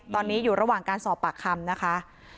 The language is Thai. ตอนนี้อยู่ระหว่างการสอบปากคำนะคะ